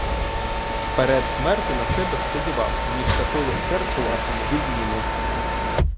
Вперед смерті на себе сподівався, ніж такої в серцю вашому відміни.